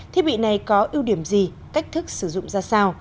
thiết bị này có ưu điểm gì cách thức sử dụng ra sao